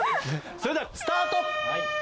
それではスタート！